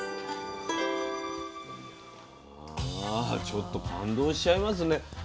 ちょっと感動しちゃいますね。